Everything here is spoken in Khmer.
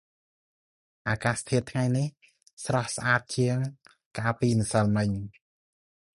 អាកាសធាតុថ្ងៃនេះស្រស់ស្អាតជាងកាលពីម្សិលមិញ។